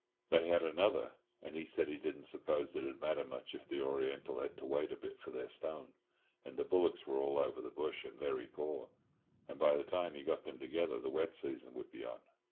They had another, and he said he didn't suppose it'd matter much if the Oriental had to wait a bit for their stone, and the bullocks were all over the bush and very poor, and by the time he got them together the wet season would be on.